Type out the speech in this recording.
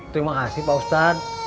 terima kasih pak ustadz